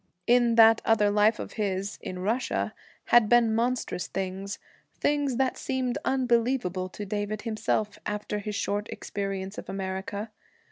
In that other life of his, in Russia, had been monstrous things, things that seemed unbelievable to David himself, after his short experience of America.